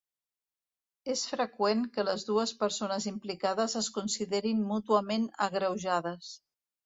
És freqüent que les dues persones implicades es considerin mútuament agreujades.